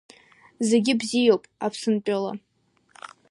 Зегьы бзиоуп Аԥсынтәыла…